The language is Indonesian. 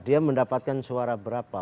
dia mendapatkan suara berapa